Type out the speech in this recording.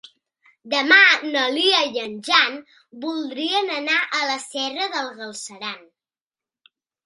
Demà na Lia i en Jan voldrien anar a la Serra d'en Galceran.